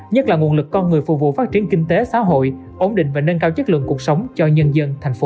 nhất là nguồn lực con người phục vụ phát triển kinh tế xã hội ổn định và nâng cao chất lượng cuộc sống cho nhân dân thành phố